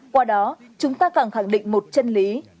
qua đó chúng ta càng khẳng định một chân lý